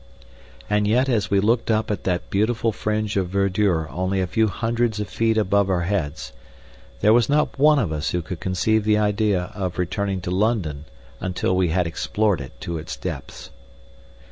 And yet, as we looked up at that beautiful fringe of verdure only a few hundreds of feet above our heads, there was not one of us who could conceive the idea of returning to London until we had explored it to its depths.